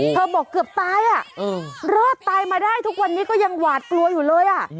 บอกเกือบตายอ่ะรอดตายมาได้ทุกวันนี้ก็ยังหวาดกลัวอยู่เลยอ่ะ